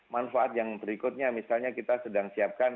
manfaat yang berikutnya misalnya kita sedang siapkan